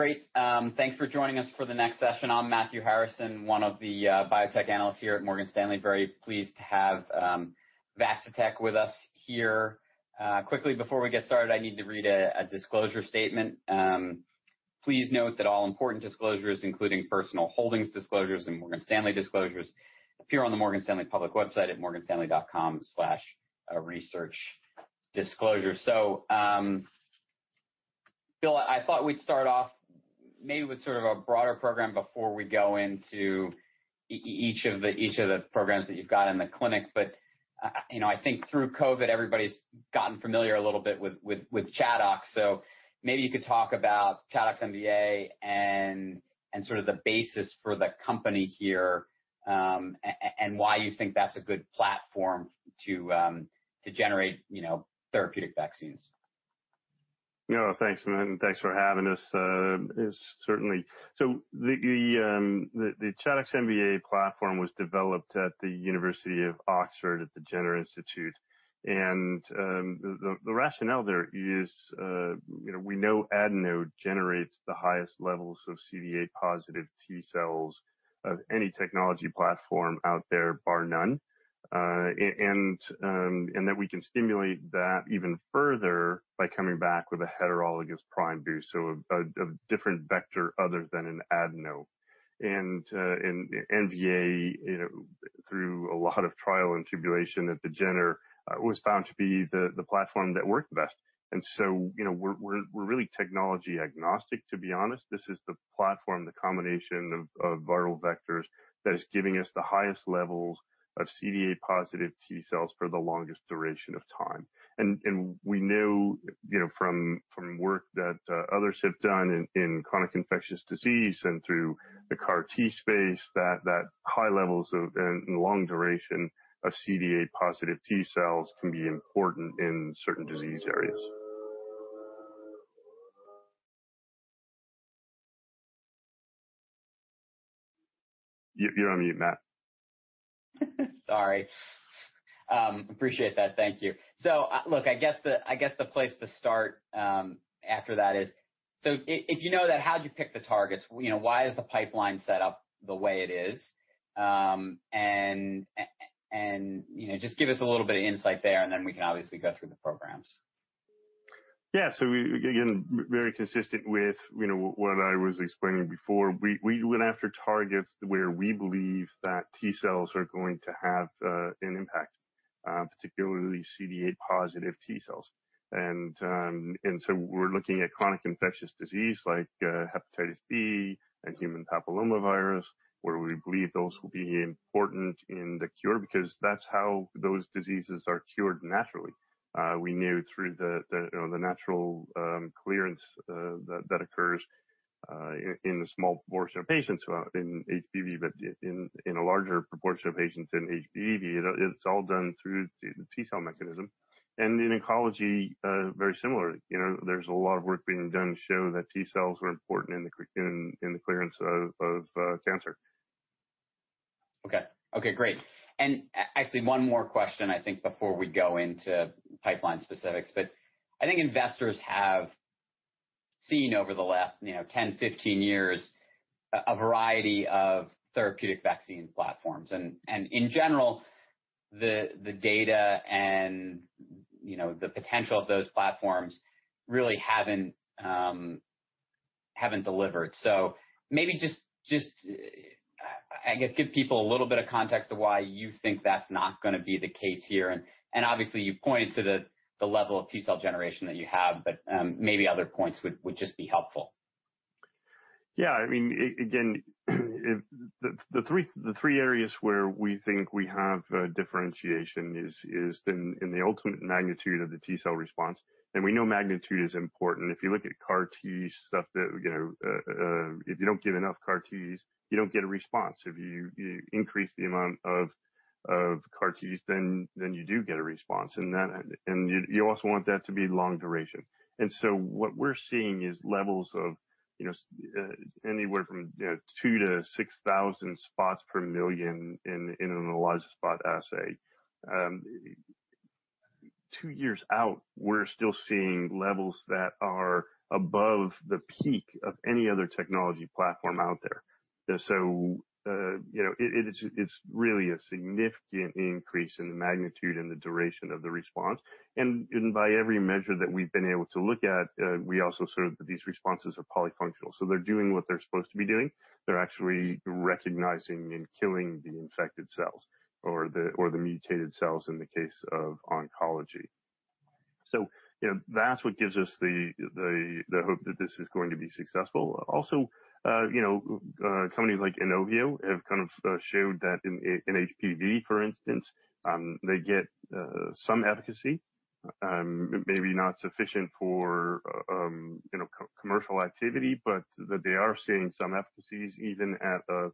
Great. Thanks for joining us for the next session. I'm Matthew Harrison, one of the biotech analysts here at Morgan Stanley. Very pleased to have Vaccitech with us here. Quickly, before we get started, I need to read a disclosure statement. Please note that all important disclosures, including personal holdings disclosures and Morgan Stanley disclosures, appear on the Morgan Stanley public website at morganstanley.com/researchdisclosures. Bill, I thought we'd start off maybe with sort of a broader program before we go into each of the programs that you've got in the clinic. I think through COVID, everybody's gotten familiar a little bit with ChAdOx. Maybe you could talk about ChAdOx-MVA and sort of the basis for the company here, and why you think that's a good platform to generate therapeutic vaccines. Yeah. Thanks, man. Thanks for having us. The ChAdOx-MVA platform was developed at the University of Oxford at the Jenner Institute. The rationale there is we know adenovirus generates the highest levels of CD8 positive T cells of any technology platform out there, bar none. That we can stimulate that even further by coming back with a heterologous prime boost, so a different vector other than an adenovirus. MVA, through a lot of trial and tribulation at the Jenner, was found to be the platform that worked best. We're really technology agnostic, to be honest. This is the platform, the combination of viral vectors that is giving us the highest levels of CD8 positive T cells for the longest duration of time. We know from work that others have done in chronic infectious disease and through the CAR T space, that high levels of, and long duration of CD8 positive T cells can be important in certain disease areas. You're on mute, Matt. Sorry. Appreciate that. Thank you. Look, I guess the place to start after that is, if you know that, how'd you pick the targets? Why is the pipeline set up the way it is? Just give us a little bit of insight there, and then we can obviously go through the programs. Yeah. Again, very consistent with what I was explaining before. We went after targets where we believe that T cells are going to have an impact, particularly CD8 positive T cells. We're looking at chronic infectious disease like Hepatitis B and human papillomavirus, where we believe those will be important in the cure because that's how those diseases are cured naturally. We knew through the natural clearance that occurs in a small portion of patients in HBV, in a larger proportion of patients in HBV, it's all done through the T cell mechanism. In oncology, very similar. There's a lot of work being done to show that T cells are important in the clearance of cancer. Okay. Okay, great. Actually, one more question I think before we go into pipeline specifics. I think investors have seen over the last 10, 15 years, a variety of therapeutic vaccine platforms. In general, the data and the potential of those platforms really haven't delivered. Maybe just, I guess, give people a little bit of context of why you think that's not going to be the case here. Obviously, you pointed to the level of T cell generation that you have, but maybe other points would just be helpful. The three areas where we think we have differentiation is in the ultimate magnitude of the T cell response. We know magnitude is important. If you look at CAR T stuff, if you don't give enough CAR Ts, you don't get a response. If you increase the amount of CAR Ts, you do get a response. You also want that to be long duration. What we're seeing is levels of anywhere from 2-6,000 spots per million in an ELISpot assay. Two years out, we're still seeing levels that are above the peak of any other technology platform out there. It's really a significant increase in the magnitude and the duration of the response. By every measure that we've been able to look at, we also saw that these responses are polyfunctional. They're doing what they're supposed to be doing. They're actually recognizing and killing the infected cells or the mutated cells in the case of oncology. That's what gives us the hope that this is going to be successful. Also companies like Inovio have kind of showed that in HBV, for instance, they get some efficacy. Maybe not sufficient for commercial activity, but that they are seeing some efficacies even at a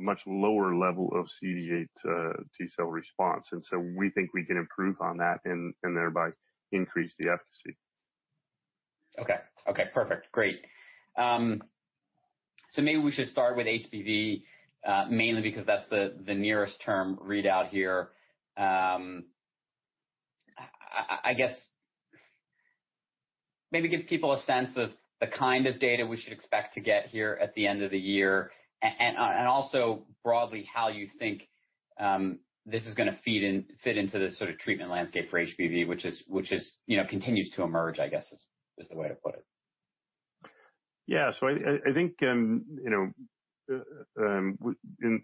much lower level of CD8 T cell response. We think we can improve on that and thereby increase the efficacy. Okay. Okay, perfect. Great. Maybe we should start with HBV, mainly because that's the nearest term readout here. I guess maybe give people a sense of the kind of data we should expect to get here at the end of the year, and also broadly how you think this is going to fit into this sort of treatment landscape for HBV, which continues to emerge, I guess, is the way to put it. I think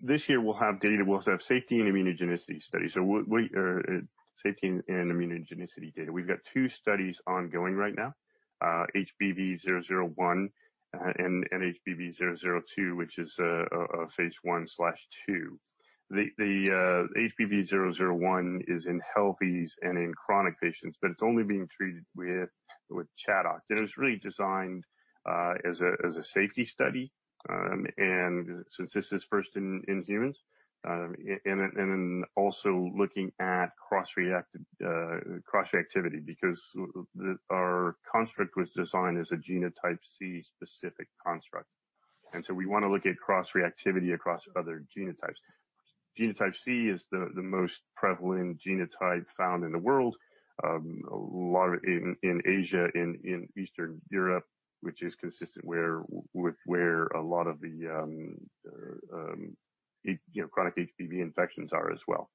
this year we'll have data, we'll have safety and immunogenicity studies. Safety and immunogenicity data. We've got two studies ongoing right now, VTP-300 and HBV002, which is a phase I/II. The VTP-300 is in healthies and in chronic patients, but it's only being treated with ChAdOx. It was really designed as a safety study, since this is first in humans, also looking at cross-reactivity, because our construct was designed as a genotype C specific construct. We want to look at cross-reactivity across other genotypes. Genotype C is the most prevalent genotype found in the world, a lot of it in Asia, in Eastern Europe, which is consistent with where a lot of the chronic HBV infections are as well.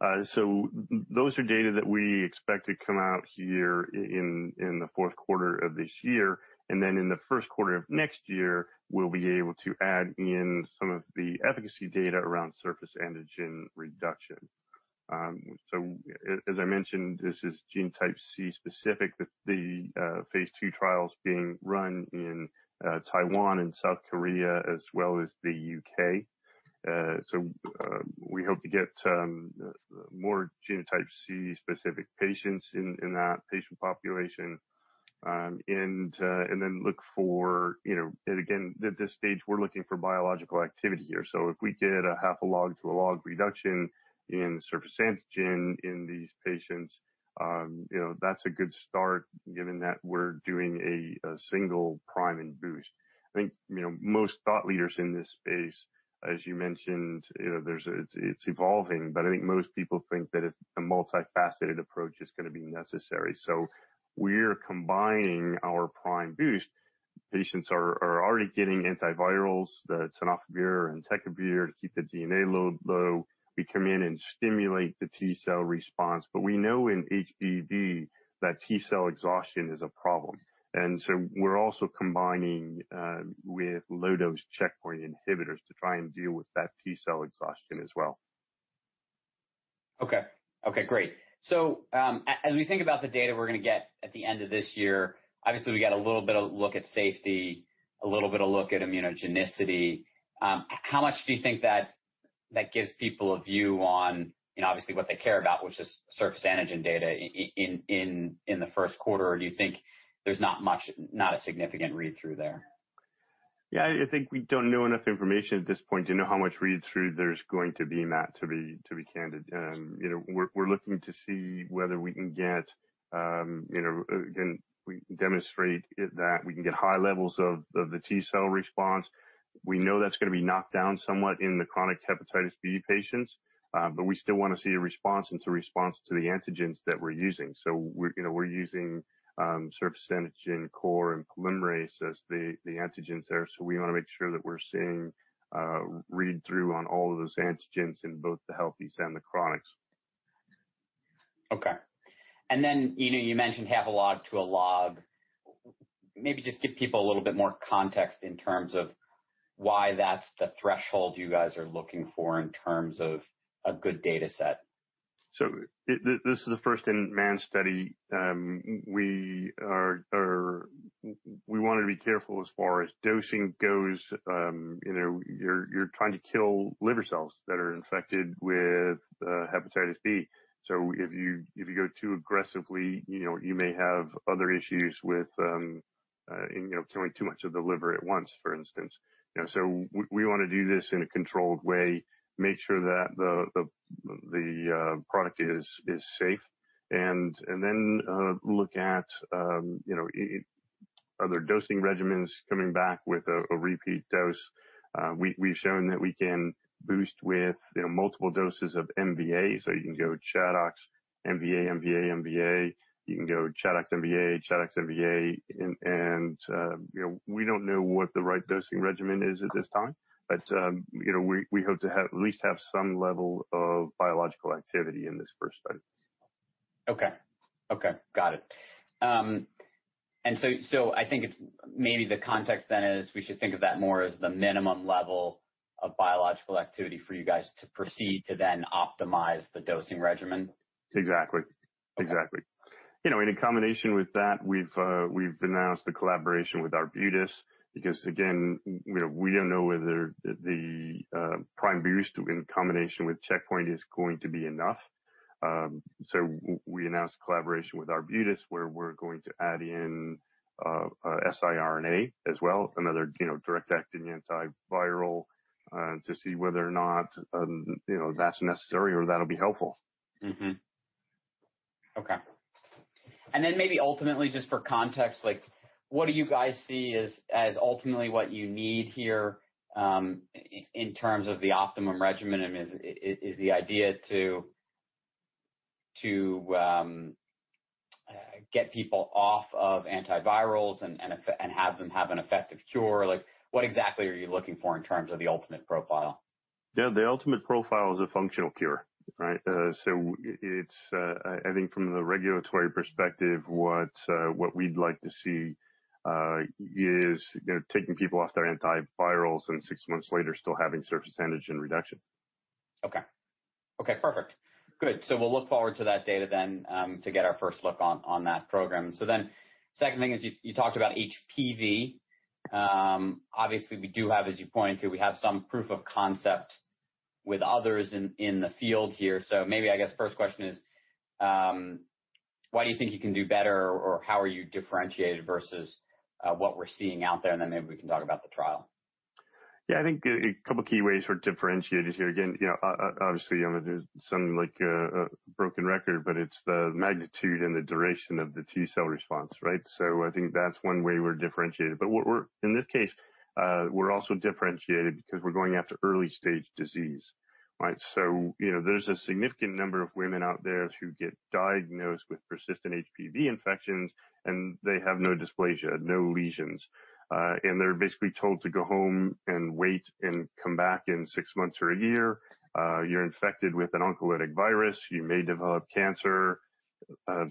Those are data that we expect to come out here in the fourth quarter of this year. In the 1st quarter of next year, we'll be able to add in some of the efficacy data around surface antigen reduction. As I mentioned, this is genotype C specific, the phase II trial's being run in Taiwan and South Korea as well as the U.K. We hope to get more genotype C specific patients in that patient population, and then look for, at again, at this stage, we're looking for biological activity here. If we get a 0.5 log to 1 log reduction in surface antigen in these patients, that's a good start given that we're doing a single prime and boost. I think most thought leaders in this space, as you mentioned, it's evolving, but I think most people think that a multifaceted approach is going to be necessary. We're combining our prime boost. Patients are already getting antivirals, the tenofovir, entecavir, to keep the DNA load low. We come in and stimulate the T cell response. We know in HBV that T cell exhaustion is a problem. We're also combining with low-dose checkpoint inhibitors to try and deal with that T cell exhaustion as well. Okay. Okay, great. As we think about the data we're going to get at the end of this year, obviously, we got a little bit of look at safety, a little bit of look at immunogenicity. How much do you think that gives people a view on, obviously what they care about, which is surface antigen data in the first quarter? Or do you think there's not a significant read-through there? Yeah, I think we don't know enough information at this point to know how much read-through there's going to be, Matt, to be candid. We're looking to see whether we can get, again, we can demonstrate that we can get high levels of the T cell response. We know that's going to be knocked down somewhat in the chronic Hepatitis B patients. We still want to see a response. It's a response to the antigens that we're using. We're using surface antigen core and polymerase as the antigens there. We want to make sure that we're seeing read-through on all of those antigens in both the healthies and the chronics. Okay. You mentioned half a log to a log. Maybe just give people a little bit more context in terms of why that's the threshold you guys are looking for in terms of a good data set. This is a first-in-man study. We want to be careful as far as dosing goes. You're trying to kill liver cells that are infected with Hepatitis B. If you go too aggressively, you may have other issues with killing too much of the liver at once, for instance. We want to do this in a controlled way, make sure that the product is safe, and then look at other dosing regimens coming back with a repeat dose. We've shown that we can boost with multiple doses of MVA, so you can go ChAdOx, MVA, MVA. You can go ChAdOx, MVA, ChAdOx, MVA. We don't know what the right dosing regimen is at this time. We hope to at least have some level of biological activity in this first study. Okay. Got it. I think maybe the context then is we should think of that more as the minimum level of biological activity for you guys to proceed to then optimize the dosing regimen? Exactly. Okay. Exactly. In combination with that, we've announced a collaboration with Arbutus because, again, we don't know whether the prime boost in combination with checkpoint is going to be enough. We announced a collaboration with Arbutus, where we're going to add in siRNA as well, another direct-acting antiviral, to see whether or not that's necessary or that'll be helpful. Okay. Maybe ultimately, just for context, what do you guys see as ultimately what you need here in terms of the optimum regimen? Is the idea to get people off of antivirals and have them have an effective cure? What exactly are you looking for in terms of the ultimate profile? Yeah. The ultimate profile is a functional cure. I think from the regulatory perspective, what we'd like to see is taking people off their antivirals and six months later, still having surface antigen reduction. Okay. Perfect. Good. We'll look forward to that data then to get our first look on that program. Second thing is, you talked about HBV. Obviously, we do have, as you pointed to, we have some proof of concept with others in the field here. Maybe I guess first question is, why do you think you can do better or how are you differentiated versus what we're seeing out there? Maybe we can talk about the trial. Yeah. I think a couple of key ways we're differentiated here. Obviously I'm going to sound like a broken record, but it's the magnitude and the duration of the T cell response. I think that's one way we're differentiated. In this case, we're also differentiated because we're going after early-stage disease. There's a significant number of women out there who get diagnosed with persistent HBV infections and they have no dysplasia, no lesions. They're basically told to go home and wait and come back in 6 months or 1 year. You're infected with an oncogenic virus. You may develop cancer,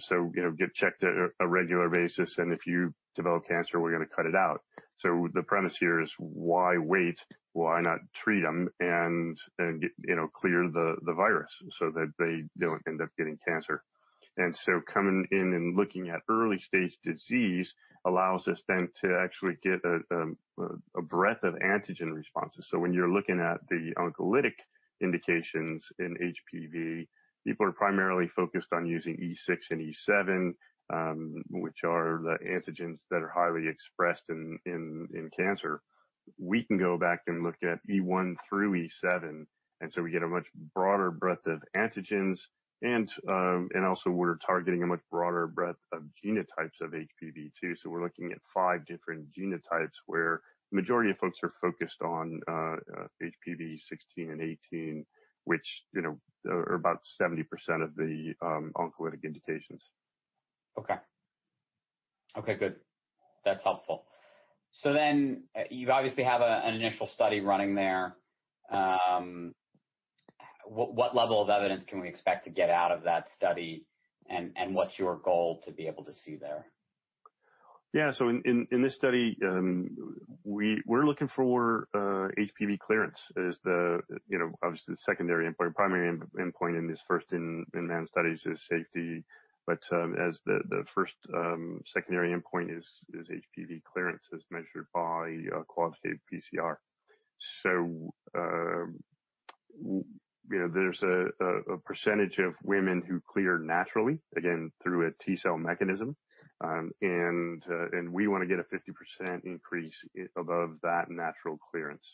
so get checked at a regular basis, and if you develop cancer, we're going to cut it out. The premise here is why wait? Why not treat them and then clear the virus so that they don't end up getting cancer? Coming in and looking at early-stage disease allows us then to actually get a breadth of antigen responses. When you're looking at the oncogenic indications in HPV, people are primarily focused on using E6 and E7, which are the antigens that are highly expressed in cancer. We can go back and look at E1 through E7, and so we get a much broader breadth of antigens. Also we're targeting a much broader breadth of genotypes of HPV too. We're looking at five different genotypes where the majority of folks are focused on HPV 16 and 18, which are about 70% of the oncogenic indications. Okay. Good. That's helpful. You obviously have an initial study running there. What level of evidence can we expect to get out of that study, and what's your goal to be able to see there? In this study, we're looking for HBV clearance as the obviously the secondary endpoint. Primary endpoint in this first in-man study is safety. As the first secondary endpoint is HBV clearance as measured by Quantitative PCR. There's a percentage of women who clear naturally, again, through a T-cell mechanism. We want to get a 50% increase above that natural clearance.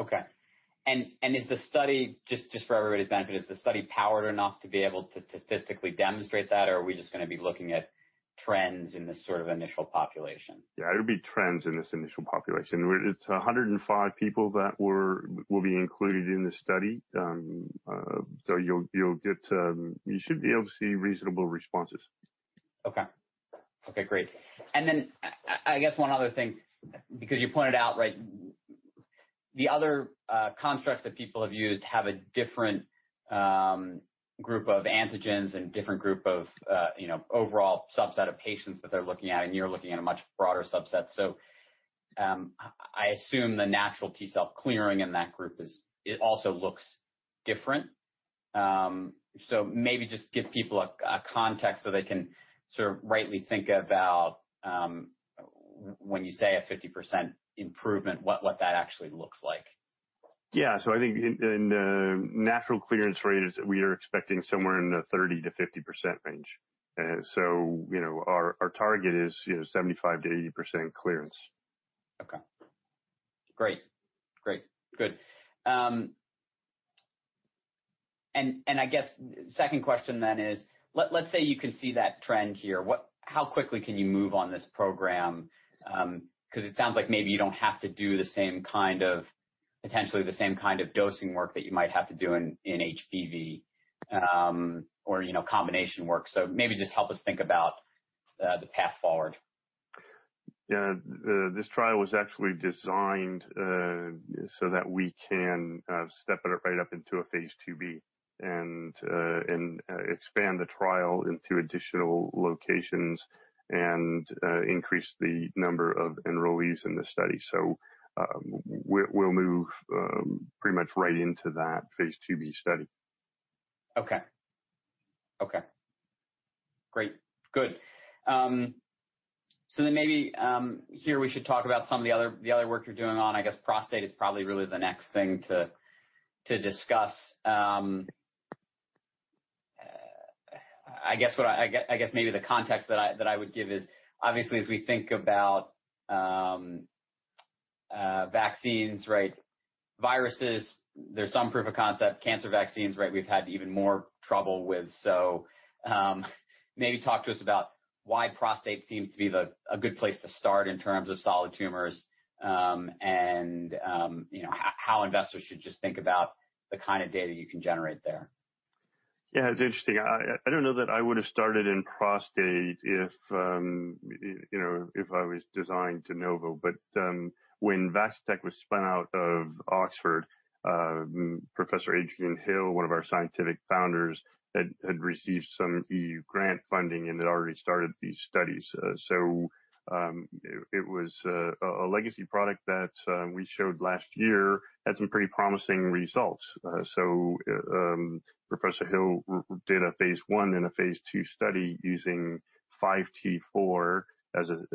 Okay. Is the study, just for everybody's benefit, is the study powered enough to be able to statistically demonstrate that, or are we just going to be looking at trends in this sort of initial population? It'll be trends in this initial population, where it's 105 people that will be included in this study. You should be able to see reasonable responses. Okay. Great. I guess 1 other thing, because you pointed out the other constructs that people have used have a different group of antigens and different group of overall subset of patients that they're looking at, and you're looking at a much broader subset. I assume the natural T cell clearing in that group also looks different. Maybe just give people a context so they can sort of rightly think about when you say a 50% improvement, what that actually looks like. Yeah. I think in natural clearance rates, we are expecting somewhere in the 30%-50% range. Our target is 75%-80% clearance. Okay. Great. Good. I guess second question then is, let's say you can see that trend here. How quickly can you move on this program? It sounds like maybe you don't have to do potentially the same kind of dosing work that you might have to do in HBV, or combination work. Maybe just help us think about the path forward. This trial was actually designed so that we can step it right up into a phase IIb and expand the trial into additional locations and increase the number of enrollees in the study. We'll move pretty much right into that phase IIb study. Okay. Great. Good. Maybe here we should talk about some of the other work you're doing on, I guess prostate is probably really the next thing to discuss. I guess maybe the context that I would give is obviously as we think about vaccines, viruses, there's some proof of concept. Cancer vaccines, we've had even more trouble with. Maybe talk to us about why prostate seems to be a good place to start in terms of solid tumors, and how investors should just think about the kind of data you can generate there. It's interesting. I don't know that I would've started in prostate if I was designed de novo. When Vaccitech was spun out of Oxford, Professor Adrian Hill, one of our scientific founders, had received some EU grant funding and had already started these studies. It was a legacy product that we showed last year had some pretty promising results. Professor Hill did a phase I and a phase II study using 5T4 as a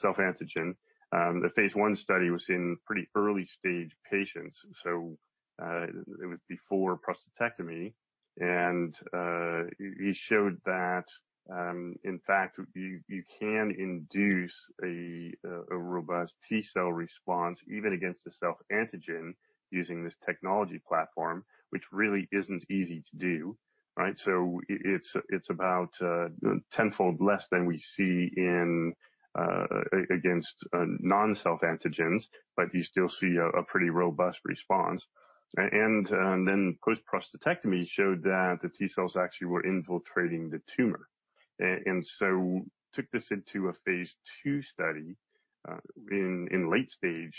self-antigen. The phase I study was in pretty early-stage patients, so it was before prostatectomy, and he showed that, in fact, you can induce a robust T-cell response even against a self-antigen using this technology platform, which really isn't easy to do. It's about 10-fold less than we see against non-self-antigens, but you still see a pretty robust response. Then post-prostatectomy showed that the T-cells actually were infiltrating the tumor. Took this into a phase II study in late stage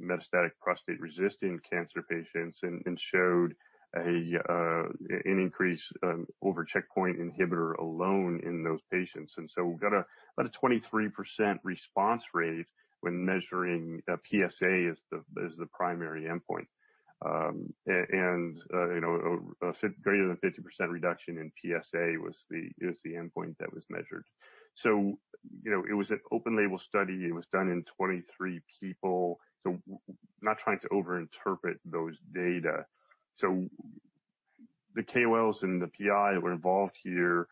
metastatic prostate-resistant cancer patients and showed an increase over checkpoint inhibitor alone in those patients. We've got about a 23% response rate when measuring PSA as the primary endpoint. A greater than 50% reduction in PSA was the endpoint that was measured. It was an open-label study, and it was done in 23 people, so not trying to over-interpret those data. The KOLs and the PI that were involved here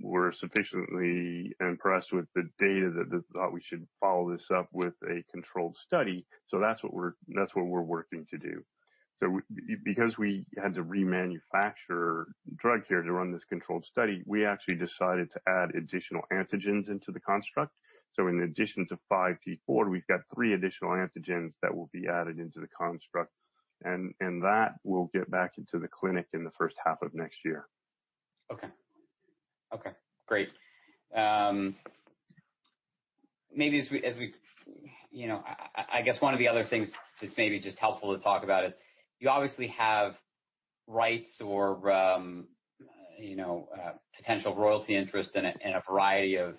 were sufficiently impressed with the data that they thought we should follow this up with a controlled study. That's what we're working to do. Because we had to remanufacture drug here to run this controlled study, we actually decided to add additional antigens into the construct. In addition to 5T4, we've got three additional antigens that will be added into the construct, and that will get back into the clinic in the first half of next year. Okay. Great. I guess one of the other things that's maybe just helpful to talk about is you obviously have rights or potential royalty interest in a variety of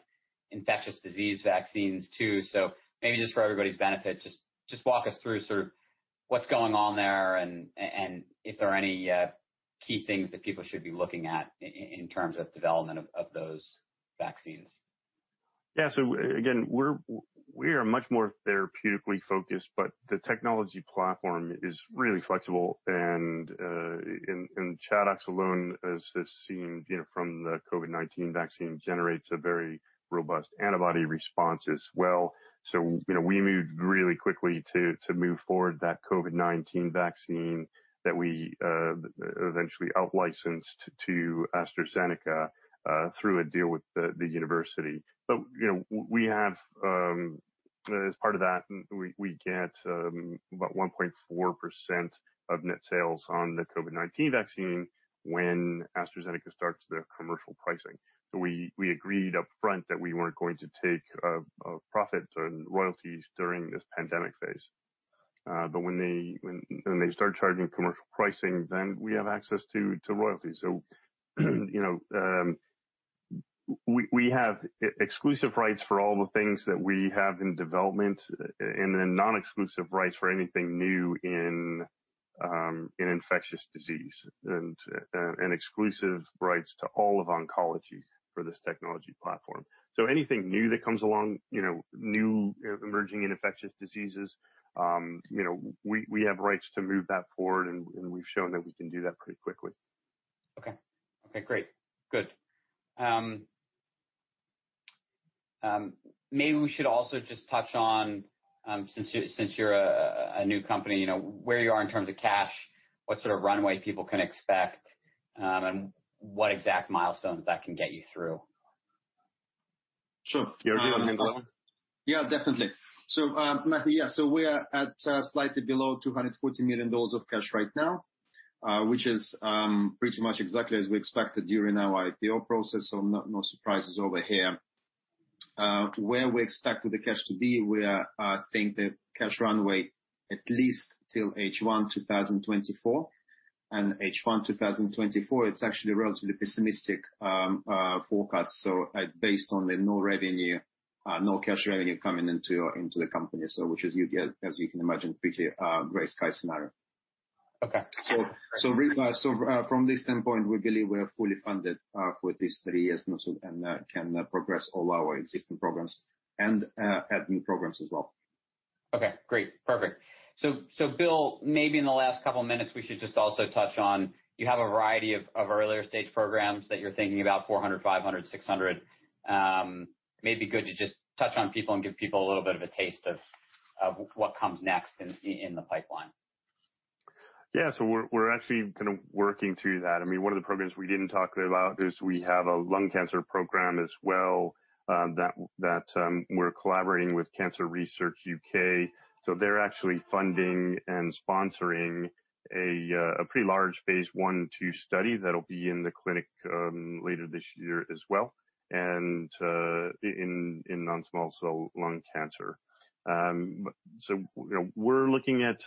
infectious disease vaccines too. Maybe just for everybody's benefit, just walk us through sort of what's going on there and if there are any key things that people should be looking at in terms of development of those vaccines. Yeah. Again, we are much more therapeutically focused, but the technology platform is really flexible and in ChAdOx alone, as is seen from the COVID-19 vaccine, generates a very robust antibody response as well. We moved really quickly to move forward that COVID-19 vaccine that we eventually out-licensed to AstraZeneca through a deal with the University of Oxford. As part of that, we get about 1.4% of net sales on the COVID-19 vaccine when AstraZeneca starts their commercial pricing. We agreed upfront that we weren't going to take a profit on royalties during this pandemic phase. When they start charging commercial pricing, then we have access to royalties. We have exclusive rights for all the things that we have in development and then non-exclusive rights for anything new in infectious disease and exclusive rights to all of oncology for this technology platform. Anything new that comes along, new emerging infectious diseases, we have rights to move that forward, and we've shown that we can do that pretty quickly. Okay. Great. Good. Maybe we should also just touch on, since you're a new company, where you are in terms of cash, what sort of runway people can expect, and what exact milestones that can get you through? Sure. Yuri, do you want me to go on? Yeah, definitely. Matthew, we are at slightly below $240 million of cash right now, which is pretty much exactly as we expected during our IPO process. No surprises over here. Where we expected the cash to be, we think the cash runway at least till H1 2024. H1 2024, it's actually a relatively pessimistic forecast, based on the no revenue, no cash revenue coming into the company, which is, as you can imagine, pretty gray sky scenario. Okay. From this standpoint, we believe we are fully funded for these three years and can progress all our existing programs and add new programs as well. Okay, great. Perfect. Bill, maybe in the last couple of minutes, we should just also touch on, you have a variety of earlier-stage programs that you're thinking about, 400, 500, 600. May be good to just touch on people and give people a little bit of a taste of what comes next in the pipeline. We're actually kind of working through that. One of the programs we didn't talk about is we have a lung cancer program as well that we're collaborating with Cancer Research UK. They're actually funding and sponsoring a pretty large phase I, II study that'll be in the clinic later this year as well, and in non-small cell lung cancer. We're looking at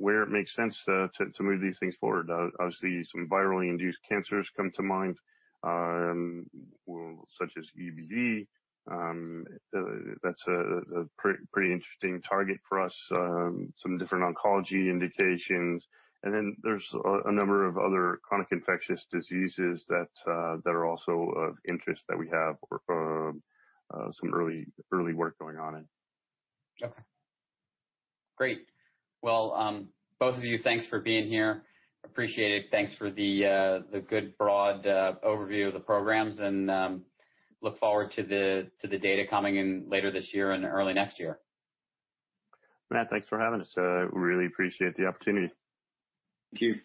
where it makes sense to move these things forward. Obviously, some virally induced cancers come to mind, such as EBV. That's a pretty interesting target for us, some different oncology indications. There's a number of other chronic infectious diseases that are also of interest that we have some early work going on in. Okay. Great. Well, both of you, Thanks for being here. Appreciate it. Thanks for the good broad overview of the programs and look forward to the data coming in later this year and early next year. Matt, thanks for having us. Really appreciate the opportunity. Thank you.